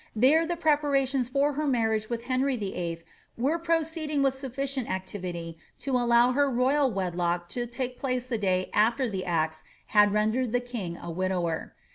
There the preparations for her marriage with Henry Vlll. were proceed ing with sufficient activity to aUow her royal wedlock to take place the day after the axe had rendered the king a widower.